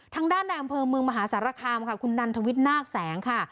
ทางด้านในอำเภอเมืองมหาสารคามค่ะคุณนันทวิทย์นาคแสงค่ะ